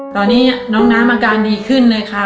ตอนนี้น้องน้ำอาการดีขึ้นเลยค่ะ